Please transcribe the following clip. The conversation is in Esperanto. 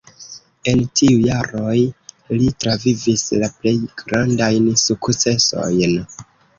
En tiuj jaroj li travivis la plej grandajn sukcesojn.